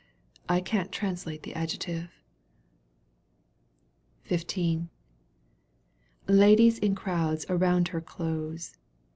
I can't translate the adjective.®^ XV. liadies in crowds around her close.